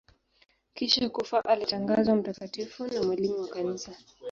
Kisha kufa alitangazwa mtakatifu na mwalimu wa Kanisa.